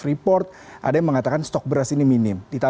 selamat pagi bang yuda